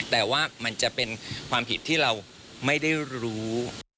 แต่ว่ามันจะเป็นความผิดที่เราไม่ได้รู้